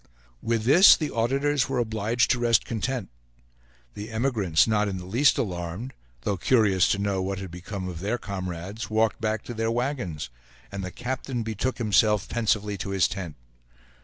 With this the auditors were obliged to rest content; the emigrants, not in the least alarmed, though curious to know what had become of their comrades, walked back to their wagons and the captain betook himself pensively to his tent.